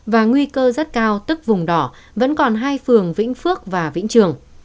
và nguy cơ rất cao tức vùng đỏ vẫn còn hai phường vĩnh phước và vĩnh trường